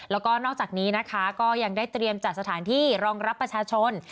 แล้วก็นอกจากนี้นะคะก็ยังได้เตรียมจัดสถานที่รองรับประชาชน